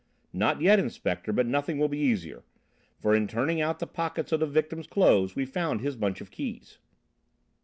"Not yet, Inspector, but nothing will be easier, for in turning out the pockets of the victim's clothes we found his bunch of keys."